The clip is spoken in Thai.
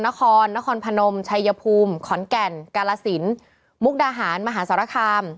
นครนครพนมชัยภูมิขอนแก่นกาลสินมุกดาหารมหาสารคาม